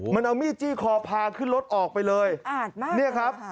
มันเอามีดจี้คอพาขึ้นรถออกไปเลยอาจมากเนี่ยครับ